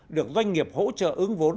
được doanh nghiệp hỗ trợ ứng vốn